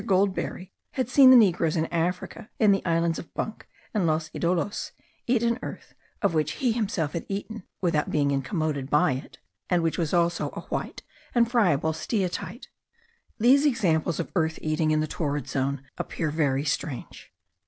Goldberry had seen the negroes in Africa, in the islands of Bunck and Los Idolos, eat an earth of which he had himself eaten, without being incommoded by it, and which also was a white and friable steatite. These examples of earth eating in the torrid zone appear very strange.